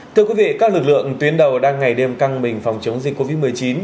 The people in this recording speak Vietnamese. thưa quý vị các lực lượng tuyến đầu đang ngày đêm căng mình phòng chống dịch covid một mươi chín